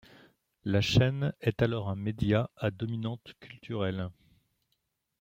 La chaîne est alors un média à dominante culturelle.